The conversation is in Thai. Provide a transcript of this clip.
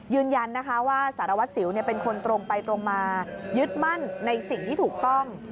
ยืนยันนะคะว่าสารวัตรสิวเป็นคนตรงไปตรงมายึดมั่นในสิ่งที่ถูกต้อง